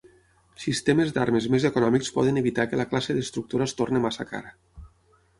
Sistemes d'armes més econòmics poden evitar que la classe destructora es torni massa cara.